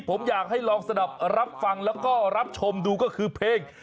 ผมอยากให้ลองสนับรับฟังแล้วก็รับชมดูก็คือเพลง